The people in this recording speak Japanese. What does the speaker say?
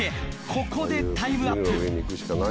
ここでタイムアップ